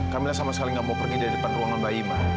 kamila sama sekali gak mau pergi dari depan ruangan bayi ma